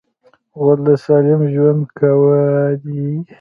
غول د سالم ژوند ګواه دی.